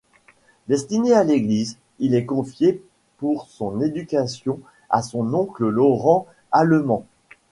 Destiné à l'Église, il est confié pour son éducation à son oncle Laurent Alleman.